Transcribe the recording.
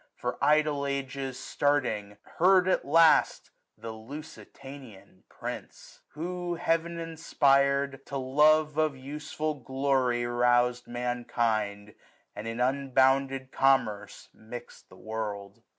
For idle ages, starting, heard at last The LusiTANiAN Prince ; who, HEAv'N inspir'd, To love of useful glory rous*d mankind, ici i And in unbounded Commerce mix'd the world.